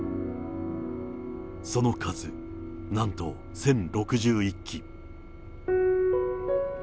その数、なんと１０６１基。